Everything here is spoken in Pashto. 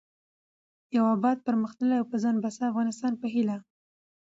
د يو اباد٬پرمختللي او په ځان بسيا افغانستان په هيله